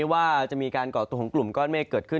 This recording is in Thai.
ว่าจะมีการก่อตัวของกลุ่มก้อนเมฆเกิดขึ้น